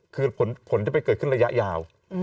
คือผลจะไปเกิดขึ้นระยะยาว